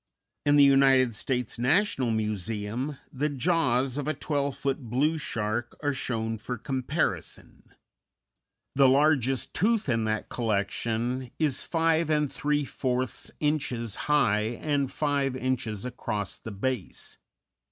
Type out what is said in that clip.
In the United States National Museum, the jaws of a twelve foot blue shark are shown for comparison. The largest tooth in that collection is 5 3/4 inches high and 5 inches across the base.